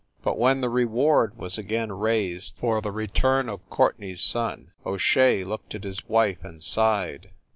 But when the reward was again raised for the re turn of Courtenay s son, O Shea looked at his wife and sighed.